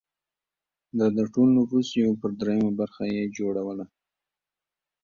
دا د ټول نفوس یو پر درېیمه برخه یې جوړوله